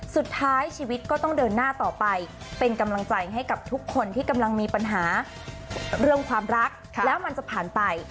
สุดท้ายชีวิตก็ต้องเดินหน้าต่อไปเป็นกำลังใจให้กับทุกคนที่กำลังมีปัญหาเรื่องความรักแล้วมันจะผ่านไป